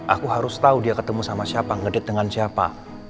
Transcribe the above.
aku harus tahu dia ketemu sama siapa ngedit dengan siapa